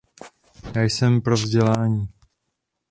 Já jsem pro vzdělávání.